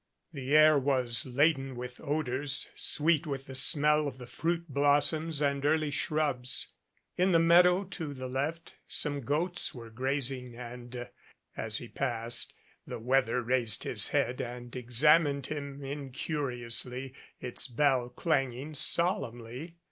The air was laden with odors, sweet with the smell of the fruit blossoms and early shrubs. In the meadow to the left some goats were graz ing and, as he passed, the wether raised his head and ex amined him incuriously, its bell clanking solemnly.